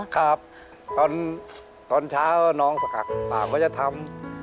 ครับตอนเช้าน้องสกัดปากว่าจะทำ